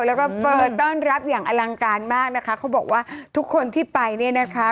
แล้วก็เปิดต้อนรับอย่างอลังการมากนะคะเขาบอกว่าทุกคนที่ไปเนี่ยนะคะ